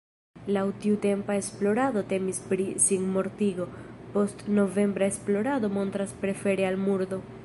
Laŭ tiutempa esplorado temis pri sinmortigo, postnovembra esplorado montras prefere al murdo.